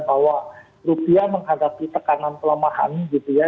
bahwa rupiah menghadapi tekanan pelemahan gitu ya